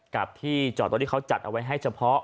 กับที่จอดรถที่เขาจัดเอาไว้ให้เฉพาะ